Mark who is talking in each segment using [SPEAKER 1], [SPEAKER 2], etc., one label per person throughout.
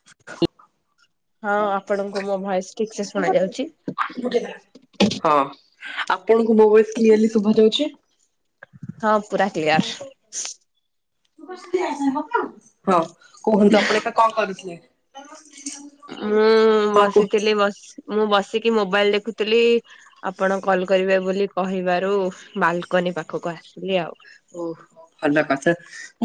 [SPEAKER 1] [inaudible]
[SPEAKER 2] ହଁ ଆପଣଙ୍କୁ ମୋ ଭଏସ ଠିକ ସେ ଶୁଣା ଯାଉଛି?
[SPEAKER 1] [unintelligible] ହଁ ଆପଣଙ୍କୁ ମୋ ବଏସ କ୍ଲିଅର୍ଲି ଶୁଭା ଯାଉଛି?
[SPEAKER 2] ହଁ ପୁରା କ୍ଲିୟର।
[SPEAKER 1] [unintelligible] ହଁ କୁହନ୍ତୁ ଆପଣ ଏବେ କଣ କରୁଥିଲେ?
[SPEAKER 2] ମୁଁ
[SPEAKER 1] ହଁ କୁହ
[SPEAKER 2] ବସିଥିଲି ବସ୍ ମୁଁ ବସିକି ମୋବାଇଲ ଦେଖୁଥିଲି। ଆପଣ କଲ କରିବେ ବୋଲି କହିବାରୁ ବାଲକନି ପାଖକୁ ଆସିଲି ଆଉ।
[SPEAKER 1] ଓ ଭଲ କଥା।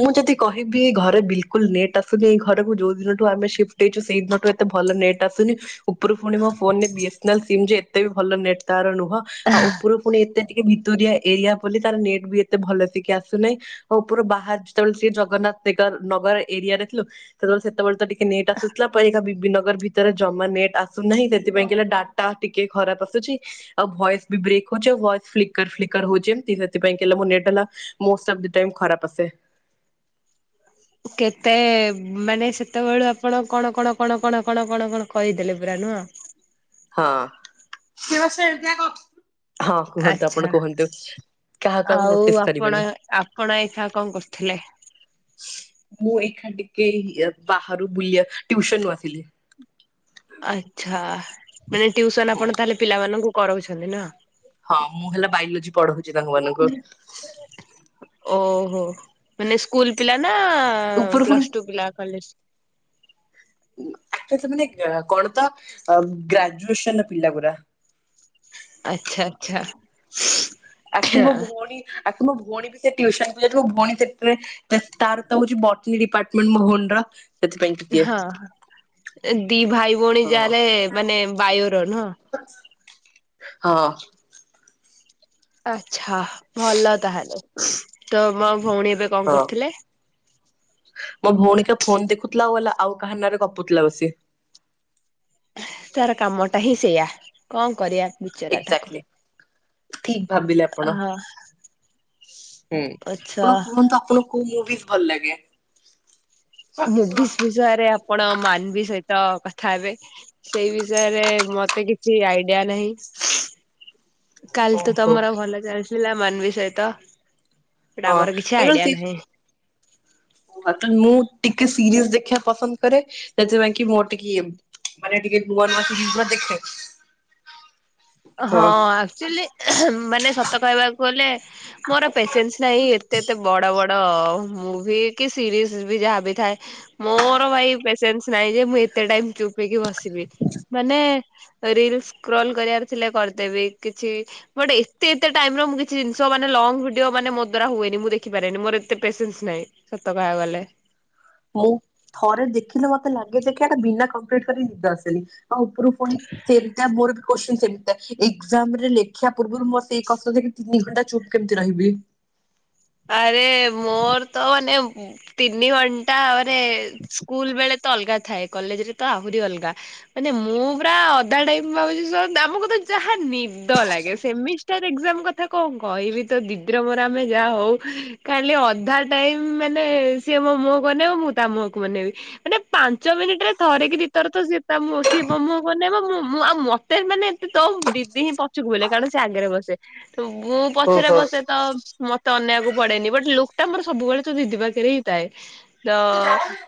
[SPEAKER 1] ମୁଁ ଯଦି କହିବି, ଏ ଘରେ ବିଲକୁଲ ନେଟ୍ ଆସୁନେଇ ଏ ଘରକୁ ଯୋଉ ଦିନଠୁ ଆମେ ସିପ ପ୍ଟ ହେଇଚୁ ସେଇ ଦିନଠୁ ଏତେ ଭଲ ନେଟ୍ ଆସୁନି, ଉପରୁ ପୁଣି ମୋ ଫୋନରେ B S N L sim ଯେ ଏତେ ବି ଭଲ ନେଟ ୱର ତାର ନୁହଁ। ଆଉ ଉପରୁ ପୁଣି ଏତେ ଟିକେ ଭିତୁରିଆ ଏରିଆ ବୋଲି ତାର ନେଟ୍ ବି ଏତେ ଭଲ ନେଟ ଟିକେ ଆସୁନେଇ, ଆଉ ଓପୁର ବାହାର ଯେତେବେଳେ ଶ୍ରୀ ଜଗନ୍ନାଥ ନଗ ନଗର ଏରିଆରେ ଥିଲୁ। ସେତେବେଳେ ସେତେବେଳେ ତ ଟିକେ ନେଟ୍ ଆସୁଥିଲା, ପର ଏଇନା ବି ବି ନଗର ଭିତ୍ [unintelligible] ନେଟ ଆସୁନାହିଁ, ସେଥିପାଇଁ କହିଲେ ଡାଟା ଟିକେ ଖରାପ ଆସୁଛି। ଆଉ ଭଏସ୍ ବି ବ୍ରେକ୍ ହଉଚି ଆଉ ଭଏସ ଫ୍ଲିକର୍ ଫ୍ଲିକର୍ ହଉଛି, ଏମତି ସେଥିପାଇଁ କି ହେଲା ମୋ ନଟ ହେଲା ମୋଷ୍ଟ ଅଫ୍ ଦ ଟାଇମ ଖରାପ ଆସେ।
[SPEAKER 2] କେତେ ମାନେ ସେତେବେଳୁ ଆପଣ କଣ କଣ କଣ କଣ କଣ କଣ କଣ କହିଦେଲେ ପୁରା ନୁହଁ।
[SPEAKER 1] ହଁ ସେ ଵା [unintelligible] କୁହନ୍ତୁ
[SPEAKER 2] ଆଚ୍ଛା
[SPEAKER 1] ଆପଣ କୁହନ୍ତୁ? କାହା କାହାକୁ
[SPEAKER 2] ଆଉ
[SPEAKER 1] ନୋଟିସ
[SPEAKER 2] ଆପଣ
[SPEAKER 1] କରିବେନି
[SPEAKER 2] ଆପଣ ଏଇଖାଁ କଣ କରୁଥିଲେ?
[SPEAKER 1] ମୁଁ ଏଖାଁ ଟିକେ ବାହାରୁ ବୁଲିବା ଟିଉସନ ରୁ ଆସିଲି।
[SPEAKER 2] ଆଛା ମାନେ ଟ୍ୟଉସନ ଆପଣ ତାହେଲେ ପିଲାମାନଙ୍କୁ କରଉଛନ୍ତି ନା?
[SPEAKER 1] ହଁ ମୁଁ ହେଲା ବାଇଲୋଜି ପଢଉଚି ତାଙ୍କ ମାନଙ୍କୁ।
[SPEAKER 2] ଓହୋ ମାନେ ସ୍କୁଲ୍ ପିଲାନା ଅ
[SPEAKER 1] ଉପର ପୁଣି
[SPEAKER 2] ପ୍ଲସ୍ ଟୁ ପିଲା କଲେଜ୍।
[SPEAKER 1] ଆକ୍ଚୁଆଲି ସେମାନେ କଣତ ଅ ଗ୍ରାଜୁଏସନ୍ ପିଲା ଗୁରା।
[SPEAKER 2] ଆଚ୍ଛା ଆଚ୍ଛା।
[SPEAKER 1] ଆକ୍ଚୁଲି
[SPEAKER 2] ଆଚ୍ଛା
[SPEAKER 1] ମୋ ଭଉଣୀ ଆକୁ ମୋ ଭଉଣୀକୁ ସେ ଟିଉସନକୁ ଯାଇଚି ମୋ ଭଉଣୀ ସେଥିରେ ତା ତାରତ ହଉଚି ବଟନୀକ ଡିପାର୍ଟମେଣ୍ଟ ମୋ ଭୋଉଣୀର।
[SPEAKER 2] ହଁ ଦି ଭାଇ ଭଉଣୀ
[SPEAKER 1] ହଁ
[SPEAKER 2] ଯାହେଲେ ମାନେ ବାୟୋର ନୁହଁ।
[SPEAKER 1] ହଁ।
[SPEAKER 2] ଆଚ୍ଛା ଭଲ ତାହେଲେ ତମ ଭଉଣୀ ଏବେ କଁ
[SPEAKER 1] ହଁ
[SPEAKER 2] କରୁଥିଲେ?
[SPEAKER 1] ମୋ ଭଉଣୀକେ ଫୋନ୍ ଦେଖୁଥିଲା ଆଉ ଗଲା ଆଉ କାହା ନାଁରେ ଗପୁଥିଲା ବସି।
[SPEAKER 2] ତାର କାମଟାହିଁ ସେଇୟା କଣ କରିବା। ବିଚରା ଟାକୁ
[SPEAKER 1] ଏଗ୍ଜାଟଲୀ ଠିକ୍ ଭାବିଲେ
[SPEAKER 2] ଅ
[SPEAKER 1] ଆପଣ। ହୁଁ
[SPEAKER 2] ଆଚ୍ଛା
[SPEAKER 1] ଆପଣ କୁହନ୍ତୁ ଆପଣଙ୍କୁ କୋଉ ମୁଭିସ୍ ଭଲ ଲାଗେ?
[SPEAKER 2] ମୁଭିସ୍ ବିଷୟରେ ଆପଣ ମାନଭି ସହିତ କଥା ହେବେ। ସେଇ ବିଷୟରେ ମତେ କିଛି ଆଇଡିଆ ନାହିଁ। କାଲିତ
[SPEAKER 1] ଓହୋ
[SPEAKER 2] ତମର ଭଲ ଚାଲିଥିଲା ମାନବିି ସହିତ। ଏଇଟା
[SPEAKER 1] ହଁ
[SPEAKER 2] ଆମର କିଛି
[SPEAKER 1] ଆକଚୁଆଲି ସେ
[SPEAKER 2] ଆଇଡିଆ ନାହିଁ।
[SPEAKER 1] [unintelligible] ମୁଁ ଟିକେ ସିରିଏଲ୍ ଦେଖିବା ପସନ୍ଦ କରେ ସେଥିପାଇଁକି ମୋର ଟିକେ ମାନେ ଟିକେ ନୂଆ ନୂଆ ଫିଲ୍ମ ପୁରା ଦେଖେ।
[SPEAKER 2] ଅଁ ହଁ ଆକ୍ଚୁଆଲି ମାନେ ସତ କହିବାକୁ ଗଲେ ମୋର ପେସେନ୍ସ ନାହିଁ ଏତେ ଏତେ ବଡ଼ ବଡ଼ ମୁଭି କି ସିରିଏସବି ଯାହାବି ଥାଏ ମୋର ଭାଇ ପେସେନ୍ସ ନାଇଁଯେ ମୁଁ ଏତେ ଟାଇମ୍ ଚୁପ୍ ହେଇକି ବସି ଥିବି ମାନେ ରିଲସ୍ ସ୍କ୍ରୋଲ୍ କରିବାର ଥିଲେ କରିଦେବି କିଛି ବଟ୍ ଏତେ ଏତେ ଟାଇମର ମୁଁ କିଛି ଜିନିଷ ମାନେ ଲଙ୍ଗ ଭିଡ଼ିଓ ମାନେ ମୋ ଦ୍ୱାରା ହୁଏନି ମୁଁ ଦେଖିପାରେନି ମୋର ଏତେ ପେସନ୍ସ ନାହିଁ। ସତ କହିବାକୁ ଗଲେ।
[SPEAKER 1] ମୁଁ ଥରେ ଦେଖିଲେ ମତେ ଲାଗେଯେ ଦେଖିବା ଏଟା ବିନା କମ୍ପ୍ଲିଟ କରି ନିଦ ଆସେନି ଆଉ ଉପରୁ ପୁଣି ସେଇଟା [unintelligible] ଏକ୍ଜାମରେ ଲେଖିବା ପୂର୍ବରୁ ମତେ କଷ୍ଟଯେ ତିନି ଘଣ୍ଟା ଚୁପ୍ କେମିତି ରହିବି।
[SPEAKER 2] ଆରେ ମୋରତ ମାନେ ତିନି ଘଣ୍ଟାରେ ସ୍କୁଲ୍ ବେଳେତ ଅଲଗା ଥାଏ କଲେଜରେତ ଆହୁରି ଅଲଗା ମାନେ ମୁଁ ପୁରା ଅଧା ଟାଇମ୍ ଭାବୁଚି ଆମକୁତ ଯାହା ନିଦ ଲାଗେ ସେମିଷ ର ଏଗ୍ଜାମ୍ କଥା କଣ କହିବି ତ ଦିଦିର ମୋର ଆମେ ଯାହା ହଉ ଖାଲି ଅଧା ଟାଇମ୍ ମାନେ ସିଏ ମୋ ମୁହଁକୁ ଅନେଇବ ମୁଁ ତା ମୁହଁକୁ ଅନେଇବି। ମାନେ ପାଞ୍ଚ ମିନିଟରେ ଥରେକି ଦି ଥରତ ସିଏ ତା ମୁ ମୁଁ ମୁଁ ଆଉ ମ ମାନେ ଏତେ ତୋ ଦିଦି ହିଁ ପଛକୁ ବଲେ କାରଣ ସେ ଆଗରେ ବସେ ମୁଁ ପଛରେ
[SPEAKER 1] ଓହୋ।
[SPEAKER 2] ବସେତ ମତେ ଅନେଇବାକୁ ପଡ଼େନି ବଟ୍ ଲୁକ୍ ଟା ଆମର ସବୁବେଳେ ତୋଦିଦି ପାଖରେହିଁ ଥାଏ। ତ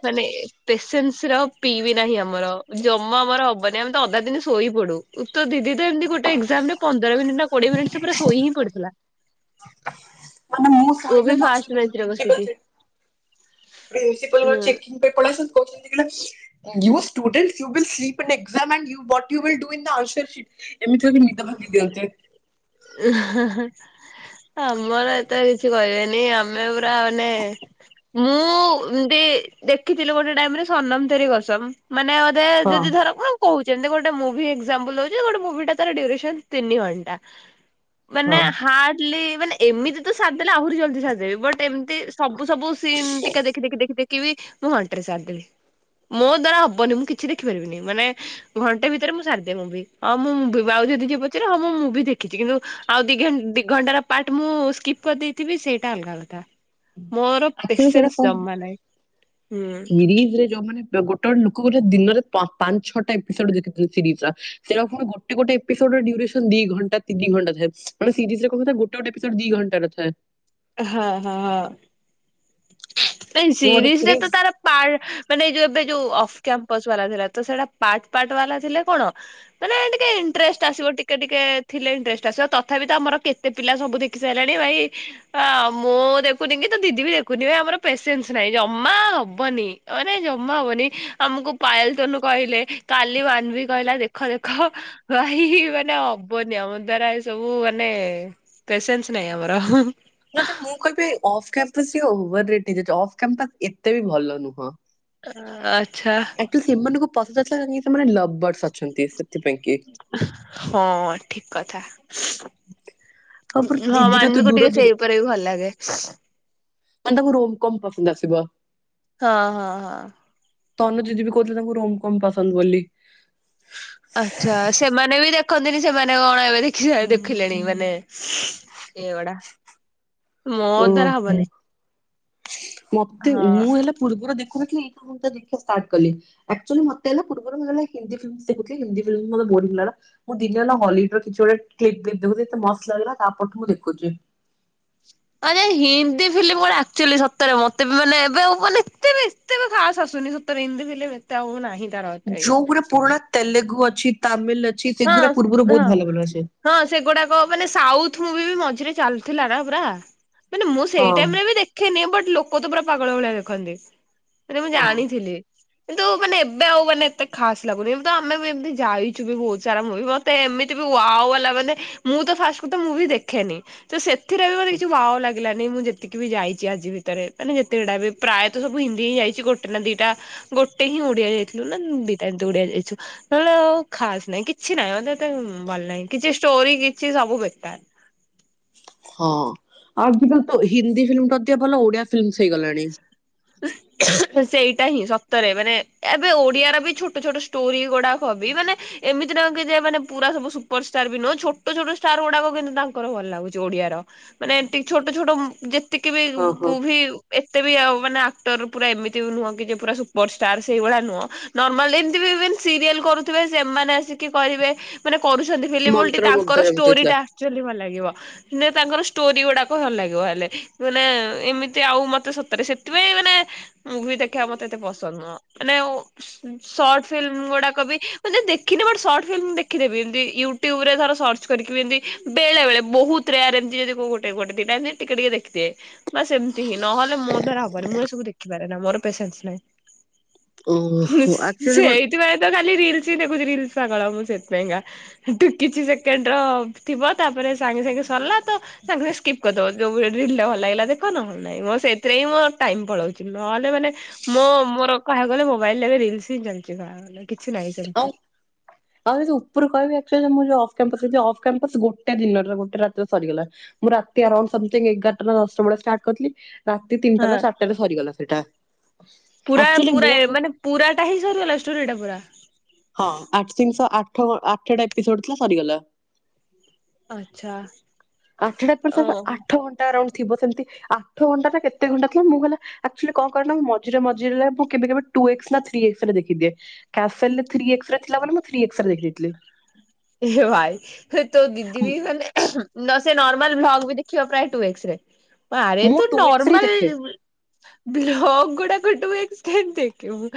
[SPEAKER 2] ମାନେ ପେସେନ୍ସର ପି ବି ନାହିଁ ଆମର ଜମା ଆମର ହବନି ଆମେତ ଅଧା ଦିନ ଶୋଇପଡ଼ୁ। ତ ଦିଦିତ ଏମିତି ଗୋଟେ ଏକ୍ଜାମରେ ପନ୍ଦର ମିନିଟ୍ ନା କୋଡ଼ିଏ ମିନିଟ୍ ସେପାରା ଶୋଇହିଁ ପଡ଼ିଥିଲା।
[SPEAKER 1] ମାନେ ମୁଁ ସଇଲେ
[SPEAKER 2] ମୁଁବି
[SPEAKER 1] ମଝିରେ
[SPEAKER 2] ଫାଷ୍ଟ
[SPEAKER 1] ମଝିରେ
[SPEAKER 2] ବେଞ୍ଚରେ
[SPEAKER 1] ପ୍ରିନ୍ସିପାଲ
[SPEAKER 2] ବସିକି
[SPEAKER 1] ଚେ ପ୍ରିନ୍ସିପାଲ ମ୍ୟାମ୍
[SPEAKER 2] ହୁଁ।
[SPEAKER 1] ଚେକିଙ୍ଗ୍ ପାଇଁ ପଳେଇ ଆସନ୍ତି। ୟୁଷ୍ଟୁଡଣ୍ଟୟୁଲ୍ ସ୍ପନ୍ ଏକ୍ସାମ ଆଣ୍ଡ ୟୁଟ ୟୁଲ୍ ଡ ନ୍ ଦ ଆନ୍ସରଟ ଏମିତିରେବି ନିଦ ଭାଙ୍ଗି ଦିଅନ୍ତେ।
[SPEAKER 2] ଆମର ଏତେ କିଛି କହିବେନି ଆମେ ପୁରା ମାନେ ମୁଁ ଦି ଦେଖିଥିଲି ଗୋଟେ ଟାଇମରେ ସନମ ତେରି କସମ୍। ମାନେ ଅଧେ
[SPEAKER 1] ହଁ
[SPEAKER 2] ଯଦି ଧରକୁ କହୁଛନ୍ତି ଗୋଟେ ମୁଭି ଏକ୍ଜାମପୁଲ୍ ହଉ ଗୋଟେ ମୁଭିଟା ତାର ଡ୍ୟୁରେକ୍ସନ୍ ତିନି ଘଣ୍ଟା। ମାନେ
[SPEAKER 1] ହଁ
[SPEAKER 2] ହାର୍ଡଲି ମାନେ ଏମିତି ତ ସାରି ଦେଲେ ଆହୁରି ଜଲଦି ସାରିଦେବି ବଟ ଏ ମିତି ସବୁ ସବୁ ସିନ୍ ଟିକେ ଟିକେ ଦେଖି ଦେଖି ଦେଖି ଦେଖି ବି ମୁଁ ଘଣ୍ଟାରେ ସାରିଦେବି। ମୋ ଦ୍ଵାରା ହବନି ମୁଁ କିଛି ଦେଖିପାରିବିନି ମାନେ ଘଣ୍ଟେ ଭିତରେ ମୁଁ ସାରିଦିଏ ମୁଭି ଆଉ କିଏ ପଚାରେ ହଁ ମୁଁ ମୁଭି ଦେଖିଛି କିନ୍ତୁ ଆଉ ଦି ଦି ଘଣ୍ଟାର ପାର୍ଟ ମୁଁ ସ୍କିପ୍ କରିଦେଇଥିବି ସେଇଟା ଅଲଗା କଥା। ମୋର
[SPEAKER 1] ଆକ୍ଚୁଆଲି ସେଇଟା
[SPEAKER 2] ପେସେନ୍ସ
[SPEAKER 1] କଣ
[SPEAKER 2] ଜମା ନାହିଁ। ହୁଁ।
[SPEAKER 1] ସିରିଜରେ ଯୋଉ ମାନେ ଗୋଟେ ଲୋକ ଗୋଟେ ଦିନରେ ପାଞ୍ଚ ଛଅଟା ଏପିସୋଡ଼ ଦେଖି ଦେଉଛି ସିରିଜର। ସେ ଗୋଟେ ଗୋଟେ ଏପିସୋଡ ଡ୍ୟୁରେସନ୍ ଦି ଘଣ୍ଟା ତିନି ଘଣ୍ଟା ଥାଏ ମାନେ ସିରିଜରେ କଥା ଗୋଟେ ଗୋଟେ ଏପିସୋଡ୍ ଦି ଘଣ୍ଟାର ଥାଏ।
[SPEAKER 2] ହଁ ହଁ ହଁ ନାଁ
[SPEAKER 1] ମୁଁ ଗୋଟେ
[SPEAKER 2] ସିରିଜରେ
[SPEAKER 1] ସିରିଜ
[SPEAKER 2] ତ ତାର ପାଲ୍‌ ମାନେ ଯୋଉ ଏବେ ଯୋଉ ଅଫକପସ୍ ବାଲା ଥିଲା ତ ସେଟା ପାଟ ପାଟ ବାଲା ଥିଲେ କଣ ମାନେ ଟିକେ ଇଣ୍ଟରେଷ୍ଟ ଆସିବ ଟିକେଟିକେ ଥିଲେ ଇଣ୍ଟରେଷ୍ଟ ଆସିବ ତଥାପି ତ ଆମର କେ ତେ ସେ ପିଲା ସବୁ ଦେଖି ସାରିଲାଣି ଭାଇ। ମୋ ଦେଖୁନି କି ତୋ ଦିଦି ବି ଦେଖ କ ଆମର ପେସେନ୍ସ ନାଇଁ ଜମା ହବନି ନାଇ ଜମା ହବନି। ଆମକୁ ପାୟଲ, ତନୁ କହିଲେ କାଲି ମାନବୀ କହିଲା ଦେଖ ଦେଖ। ଭାଇ ମାନେ ହବନି ଆମ ଦ୍ଵାରା ଏ ସବୁ ମାନେ ପେସେନ୍ସ ନାହିଁ ଆମର।
[SPEAKER 1] କହିବ ଅଫ୍ କେମ୍ପସ ଅଫ୍ କେମ୍ପସ୍ ଏତେ ବି ଭଲ ନୁହଁ।
[SPEAKER 2] ଆଚ୍ଛା।
[SPEAKER 1] ସେମାନଙ୍କୁ ପସନ୍ଦ ନ ଥିଲା କାହିଁକି ସେମାନେ ଲଭର୍ସ୍‌ ଅଛନ୍ତି ସେଥିପାଇଁ କି
[SPEAKER 2] ହଁ ଠିକ୍ କଥା।
[SPEAKER 1] ତାପରେ
[SPEAKER 2] ହଁ
[SPEAKER 1] ଦିଦିର ତ
[SPEAKER 2] ମାନବିକୁ
[SPEAKER 1] ଦୂର
[SPEAKER 2] ଟିକେ
[SPEAKER 1] ଦୂର
[SPEAKER 2] ସେବ କରିବାକୁ ବି ଭଲ ଲାଗେ
[SPEAKER 1] ମାନେ ତାକୁ ରୋମକମ୍ ପସନ୍ଦ ଆସିବ
[SPEAKER 2] ହଁ ହଁ ହଁ
[SPEAKER 1] ତନୁଦିଦି ବି କହୁଥିଲେ ତାଙ୍କୁ ରୋମଫମ୍ ପସନ୍ଦ ବୋଲି
[SPEAKER 2] ଆଚ୍ଛା ସେମାନେ ବି ଦେଖନ୍ତିନି ସେମାନେ କଣ ଏବେ ଦେଖି ଦେଖିଲେଣି ମାନେ ଏଗୁଡା
[SPEAKER 1] [inaudible]
[SPEAKER 2] ମୋ ଦ୍ଵାରା
[SPEAKER 1] ଓହୋ
[SPEAKER 2] ହବନି
[SPEAKER 1] ମତେ
[SPEAKER 2] ହଁ
[SPEAKER 1] ମୁଁ ହେଲେ ପୂର୍ବରୁ ଦେଖୁନଥିଲି ମୁଁ ତ ଦେଖିବା ଷ୍ଟାର୍ଟ କଲି ଆକ୍ଚୁଲି ମତେ ହେଲା ପୂର୍ବରୁ ହିନ୍ଦୀ ଫିଲ୍ମ ଦେଖଥିଲେ ହିନ୍ଦୀ ଫିଲ୍ମ ମୋ ବହୁତ ଭଲ ଲାଗିଲା। ମୁଁ ଦିନ ହେଲା ହଲିଡ ର କିଛି ଗୋଟେ କ୍ଖଛିତେ ମସ୍ତ ଲାଗିଲା ତାପଟ ମୁଁ ଦେଖୁଛି
[SPEAKER 2] ଆରେ ହିନ୍ଦୀ ଫିଲ୍ମ ଗୋଟେ ଆକ୍ଚୁଆଲି ସତରେ ମତେ ବି ମାନେ ଏବେ ହବନି ଏତେ ବି ଏତେ ବି ଖାସ୍ ଆସୁନି ସତରେ ହିନ୍ଦୀଫିଲ୍ମ ଏତେ ଆଉ ନାହିଁ ତାର ଏତେ ଏଇ
[SPEAKER 1] ଯୋଉଗୁରା ପୁରୁଣା ତେଲୁଗୁ ଅଛି ତାମିଲ ଅଛି
[SPEAKER 2] ହଁ
[SPEAKER 1] ସେଗୁଡା ପୂର୍ବରୁ ବହୁତ
[SPEAKER 2] ହଁ
[SPEAKER 1] ଭଲ ଭଲ ଆସେ
[SPEAKER 2] ହଁ ସେଗୁଡାକ ମାନେ ସାଉଥ ମୁଭି ବି ମଝିରେ ଚାଲୁଥିଲା ନା ପୁରା ମାନେ ମୁଁ ସେଇ
[SPEAKER 1] ହଁ।
[SPEAKER 2] ଟାଇମରେ ବି ଦେଖେନି ବଟ ଲୋକ ତ ପୁରା ପାଗଳ ଭଳିଆ ଦେଖନ୍ତି। ଏଟା ମୁଁ ଜାଣିଥିଲି। କିନ୍ତୁ ମାନେ ଏବେ ଆଉ ମାନେ ଏତେ ଖାସ୍‌ ଲାଗୁନି ଏତ ଆମେ ବି ଏମିତି ଯାଇଛୁ ବି ବହୁତ୍‌ ସାରା ମୁଭି ମତେ ଏମିତି ବି ୱାଓ଼ ବାଲା ମାନେ ମୁଁ ତ ଫାଷ୍ଟ କଥା ମୁଭି ଦେଖେନି ସେ ସେତ ଏଥିରେ ବି କିଛି ୱାଓ ଲା ମୁଁ ଯେତିକି ବି ଯାଇଛି ଆଜି ଭିତରେ ମାନେ ଯେତକଗୁଡା ବି ପ୍ରାୟଃ ସବୁ ହିନ୍ଦୀ ହିଁ ଯାଇଛି ଗୋଟେ ନା ଦିଟା ଗୋଟେ ହିଁ ଓଡିଆ ଯାଇଥିଲୁ ନା ଦିଟା ଏମିତି ଓଡିଆ ଯାଇଛୁ ନହେଲେ ଆଉ ଖାସ୍ ନହିଁ କି କିଛି ନହିଁ ମତେ ତ ଭଲ ନାହିଁ କିଛି ଷ୍ଟୋରି କିଛି ସବୁ ବେକାର୍।
[SPEAKER 1] ହଁ ଆଉ ଆଜିକାଲି ତ ହିନ୍ଦୀ ଫିଲ୍ମ ଟା ଅଧିକ ଭଲ ଓଡିଆ ଫିଲ୍ମସ୍‌ ହେଇଗଲାଣି।
[SPEAKER 2] [unintelligible] ସେଇଟା ହିଁ ସତରେ ମାନେ ଏବେ ଓଡିଆର ବି ଛୋଟ ଛୋଟ ଷ୍ଟୋରି ଗୁଡାକ ହବି ମାନେ ଏମିତି ନା କି ମାନେ ପୁରା ସବୁ ସୁପରଷ୍ଟାର୍ ବି ନୁହ ଛୋଟଛୋଟ ଷ୍ଟାର୍ ଗୁଡାକ କିନ୍ତୁ ତାଙ୍କର ଭଲ ଲାଗୁଛି ଓଡିଆର। ମାନେ ଏମତି ଛୋଟଛୋଟ ହୁମ୍ ଯେତିକି ବି
[SPEAKER 1] ହଁ ହଁ।
[SPEAKER 2] ମୁଭି ଏତେ ବି ଆ ମାନେ ଆକ୍ଟର ପୁରା ଏମିତି ବି ନୁହଁ କି ଯେ ପୁରା ସୁପରଷ୍ଟାର୍ ସେଇଭଳିଆ ନୁହଁ ନର୍ମାଲ୍ ଏମିତି ସିରିଏଲ୍ କରୁଥିବେ ସେମାନେ ଆସି କରିବେ ମାନେ କରୁଛନ୍ତି ଫିଲମ ଓଲ୍ଟି
[SPEAKER 1] ମନ୍ତ୍ରମୁଗ୍ଧ
[SPEAKER 2] ତାଙ୍କର
[SPEAKER 1] ଯେମିତି
[SPEAKER 2] ଷ୍ଟୋରୀ
[SPEAKER 1] ଥିଲା
[SPEAKER 2] ଟା ଆକ୍ଚୁଆଳୀ ଭଲ ଲାଗିବ। ତାଙ୍କର ଷ୍ଟୋରି ଗୁଡାକ ଭଲ ଲାଗିବ ହେଲେ ମାନେ ଏମିତି ଆଉ ମତେ ସତରେ ସେ ସେଥିପାଇଁ ମାନେ ମୁଭି ଦେଖିବା ମତେ ଏତେ ପସନ୍ଦ ନୁହଁ ମାନେ ସର୍ଟ ଫିଲ୍ମ ଗୁଡାକ ବି ଦେଖିନେ ବଟ ସର୍ଟ ଫିଲ୍ମ ଦେଖିଦେବି ଏମିତି ୟୁଟୁବ ୟୁଟୁବରେ ଥର ସର୍ଚ କରିକି ଏମତି ବେଳେବଳେ ବହୁତ ରେୟରେ ଏମିତି ଯିଉ ଗୋଟେଗୋଟେ ଦିଟା ଏମତି ଟିକେଟିକେ ଦେଖିଦିଏ। ବାସ୍‌ ଏମିତି ହିଁ ନହେଲେ ମୋ ଦ୍ୱାରା ହବନି ମୁଁ ଏସବୁ ଦେଖିପାରେନା ମୋର ପେସେନ୍ସ ନାହିଁ।
[SPEAKER 1] ଓହୋ
[SPEAKER 2] ସେ
[SPEAKER 1] ଆକ୍ଚୁଆଲି ଗୋଟେ
[SPEAKER 2] ସେଇଥିପାଇଁ ତ ଖାଲି ରିଲସ ହିଁ ଦେଖୁଛି ରିଲସ ପାଗଳ ମୁଁ ସେଥିପାଇଁକା। ଠୁ କିଛି ସେକେଣ୍ଡ ର ଥିବ ତାପରେ ସାଙ୍ଗେ ସାଙ୍ଗେ ସରିଲା ତ ସାଙ୍ଗେ ସାଙ୍ଗେ ସ୍କିପ କରିଦବ ଯୋଉ ରିଲ୍ ଟା ଭଲ ଲାଗିଲା ଦେଖ ନହେଲେ ନାହିଁ ମୋ ସେଥିରେ ହିଁ ମ ଟାଇମ ପଳଉଛି ନହେଲେ ମାନେ ମୋ ମୋର କହିବାକୁ ଗଲେ ମୋବାଇଲରେ ହିଁ ରିଲ୍ସ ଚାଲିଛି କହିବାକୁ ଗଲେ କିଛି ନାହିଁ
[SPEAKER 1] ଆଉ
[SPEAKER 2] ସେମିତି।
[SPEAKER 1] ଆଉ ଯଦି ଉପରୁ କହିବି ଏକ୍ଟୁଆଲି ଅଫ୍ କ୍ୟାମ୍ପସ ଯଦି ଅଫ୍ କ୍ୟାମ୍ପସ ଗୋଟେ ଦିନରେ ଗୋଟେ ରାତିରେ ହିଁ ସରିଗଲା। ମୁଁ ରାତି ଆରାଉଣ୍ଡ ସମଥିଙ୍ଗ ଏଗାରଟା ନା ଦଶଟା ବେଳେ ଷ୍ଟାର୍ଟ କରିଥିଲି ରାତି ତିନିଟା ନା
[SPEAKER 2] ହଁ
[SPEAKER 1] ଚାରିଟାରେ ସରିଗଲା ସେଇଟା।
[SPEAKER 2] ପୁରା
[SPEAKER 1] ଆକ୍ଚୁଆଲି
[SPEAKER 2] ପୁରା
[SPEAKER 1] ମୋର ହଁ
[SPEAKER 2] ମାନେ ପୁରା ଟା ହିଁ ସରିଗଲା ଷ୍ଟୋରିଟା ପୁରା।
[SPEAKER 1] ହଁ ଆଠି ଆଠ ଆଠଟା ଏପିସୋଡ ଥିଲା ସରିଗଲା।
[SPEAKER 2] ଆଚ୍ଛା
[SPEAKER 1] ଆଠଟା ପସ
[SPEAKER 2] ଓହୋ।
[SPEAKER 1] ଆଠ ଘଣ୍ଟା ତା ଆରାଉଣ୍ଡୁ ଥିବ ସେମିତି ଆଠ ଘଣ୍ଟା ଟା କେତେ ଘଣ୍ଟା ଥିଲା ମୁଁ ଗଲା ଆକ୍ଚୁଆଲି କଣ କର ନା ମୁଁ ମଝିରେ ମଝିରେ ମୁଁ କେବେ କେବେ ଟୁ ଏକ୍ସ ନା ଥ୍ରୀ ଏକ୍ସରେ ଦେଖିଦିଏ। କ୍ୟାସେଲେ। ଥ୍ରୀ ଏକ୍ସରେ ଥିଲା ବୋଲି ମୁଁ ଥ୍ରୀ ଏକ୍ସରେ ଦେଖି ଦେଇଥିଲି।
[SPEAKER 2] ଏ ଭାଇ ତୋ ଦିଦି ବି ମାନେ ନାଁ ସେ ନର୍ମାଲ ଭ୍ଲଗ ବି ଦେଖିବ ପ୍ରାୟ ଟୁ ଏକ୍ସ ରେ। ଆରେ
[SPEAKER 1] ମୁଁ
[SPEAKER 2] ତୁ
[SPEAKER 1] ଟୁ ଏକ୍ସ ରେ
[SPEAKER 2] ନର୍ମାଲ
[SPEAKER 1] ଦେଖେ।
[SPEAKER 2] ଭ୍ଲଗ ଗୁଡ଼ାକ ଟୁଏକ୍ସ୍ ରେ କେମିତି ଦେଖିବୁ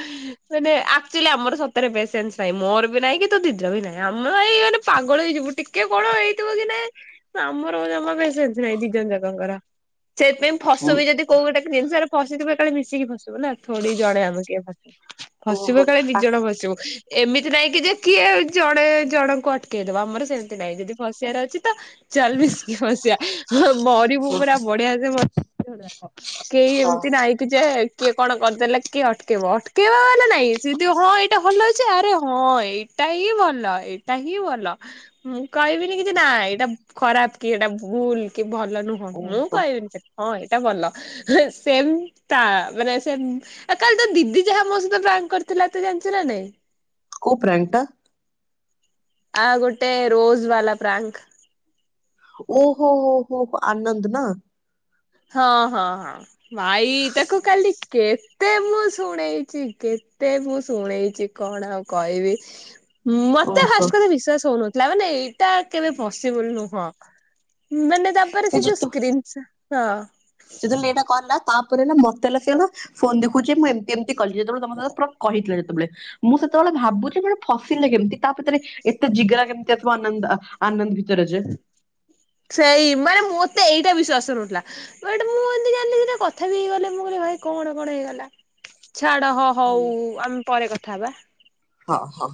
[SPEAKER 2] ମାନେ ଆକ୍ଚୁଆଲି ଆମର ସ ତାର ପ୍ସେସେନ୍ସ୍ ମୋର ବି ନାହିଁ କି ତୋ ଦିଦର ବି ନାହିଁ ଆଉ ହଁ ଏଇ ଏ ଗୋଟେ ପାଗଳ ହେଇଯିବୁ ଟିକେ କଣ ହେଇଥିବ କି ନାଇଁ ଆମର ଜମା ପ୍ସେସେନ୍ସ୍ ନାହିଁ ଦି ଜଣ ଯାଙ୍କକର ସେଥିପାଇଁ ଫସିବୁ ଯଦି କୋଉ ଗୋଟେ ଜିନିଷରେ ଫସିଥିବୁ ଏକାବେଳେ ମିଶିକି ଫସିବୁ ନା ଥୋଡି ଜଣେ ଆମେ କିଏ ଫସିବୁ। ଫସିବ କାଳେ ଦି ଜଣ ଫସିବୁ ଏମିତି ନାଇଁ ଯେ କିଏ ଜଣେ ଜଣଙ୍କୁ ଅଟେକେଇଦବା ଆମର ସେମିତି ନାହିଁ ଯଦି ଫସିବାର ଅଛି ତ ଚାଲ୍ ମିଶି କି ଫସିବା ମରିବୁ ପୁରା ବଢିଆ ସେ ମର କେହି ଏମିତି ନାଇଁ କି କି ଯେ କିଏ କଣ କରିଦେଲେ କିଏ ଅଟକେଇବ ଅଟକେଇବାର ନାଇଁ ସେ ଯଦି ହଁ ଏଇଟା ଭଲ ଅଛି ଆରେ ହଁ ଏଇ ଏଇଟା ହିଁ ଭଲ ଏଇ ଏଇଟା ହିଁ ଭଲ ମୁଁ କହିବିନି କିଛି ନା ଏଇଟା ଖରାପ କି ଏଇଟା ଭୁଲ କି ଭଲ ନୁହଁ ହଁ ମୁଁ
[SPEAKER 1] ଓହୋ
[SPEAKER 2] କହିବିନି ସେଟ୍ ହଁ ଏଇଟା ଭଲ ସେମଟା ମାନେ ସେମ କାଲି ତୋ ଦିଦି ଯାହା ମୋ ସହିତ ପ୍ଲାନ୍ କରିଥିଲା ତୁ ଜାଣିିଚୁ ନା ନାଇଁ?
[SPEAKER 1] କୋଉ ପ୍ରାଙ୍କଟା?
[SPEAKER 2] ଆ ଗୋଟେ ରୋଜ୍ ବାଲା ପ୍ରାଙ୍କ୍।
[SPEAKER 1] ଓହୋ ଓହୋ ଆନନ୍ଦ ନା।
[SPEAKER 2] ହଁ ହଁ ହଁ। ଭାଇ ତାକୁ କାଲି କେତେ ମୁଁ ଶୁଣେଇଚି କେତେ ମୁଁ ଶୁଣେଇଚି। କଣ ଆଉ କଇବି। ମତେ
[SPEAKER 1] ଓହୋ
[SPEAKER 2] ହାଷ୍ଟ୍ କରି ବିଶ୍ୱାସ ହଉନଥିଲା ମାନେ ଟା କେବେ ପସିବୁଲ ନୁହଁ ମାନେ ତାପରେ ସେ ଯୋଉ ସ୍କ୍ରିନ୍ ସଟ୍ ହଁ।
[SPEAKER 1] ଯେତେବେଳେ ଏଟା କଲା ତାପରେ ନା ମତେ ହେଲେ ସେ ଫୋନ ଦେଖୁଚି ମୁଁ ଏମ୍ ଏମିତି କଲି ଯେତେବେଳେ ତମ ସାଙ୍ଗରେ ପୁରା କହିଥିଲେ ଯେତେବେଳେ କି ମୁଁ ସେତେବେଳେ ଭାବୁଚି ମାନେ ଫସିଲେ କେମିତି ତା ଭିତରେ ଏତେ ଜିଗାରା କେମିତି ଆସିବ ଆନନ୍ଦା ଆନନ୍ଦ ଭିତରେ ଯେ
[SPEAKER 2] ସେଇ ମାନେ ମୋତେ ଏଇଟା ବିଶ୍ୱାସ ରଉନଥିଲା। ବଟ ମୁଁ ଯଦି ଜାଣିଲି ସେଟା କଥା ବି ହେଇଗଲେ ମୁଁ କହିଲି ଭାଇ କଣ କଣ ହେଇଗଲା ଛାଡ ହଁ। ହଉଉ ଆମେ ପରେ କଥା ହବା।
[SPEAKER 1] ହଁ ହଉ।